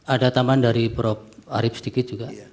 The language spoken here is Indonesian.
ada pertanyaan dari prof arief sedikit